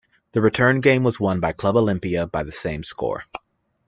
The return game was won by Club Olimpia by the same score.